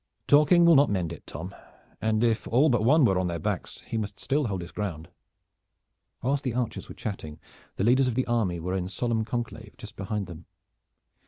"Talking will not mend it, Tom, and if all but one were on their backs he must still hold his ground." Whilst the archers were chatting, the leaders of the army were in solemn conclave just behind them.